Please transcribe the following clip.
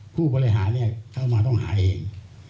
ผู้บริหารเข้ามาต้องหาเอง